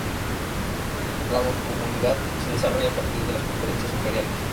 La Mancomunidad se desarrolló a partir de las Conferencias Imperiales.